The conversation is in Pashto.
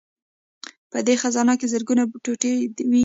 په دې خزانه کې زرګونه ټوټې وې